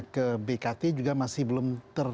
ke bkt juga masih belum ter